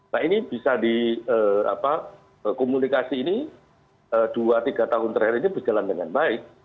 nah ini bisa di komunikasi ini dua tiga tahun terakhir ini berjalan dengan baik